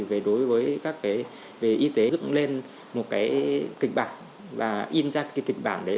về đối với các cái về y tế dựng lên một cái kịch bản và in ra cái kịch bản đấy